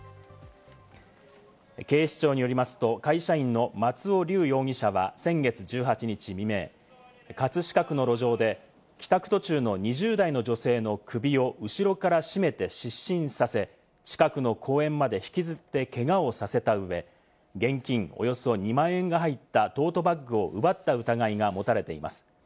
警視庁によりますと、会社員の松尾龍容疑者は先月１８日未明、葛飾区の路上で帰宅途中の２０代の女性の首を後ろから絞めて失神させ、近くの公園まで引きずってけがをさせたうえ、現金およそ２万円が入ったトートバッグを奪った疑いが持たれています。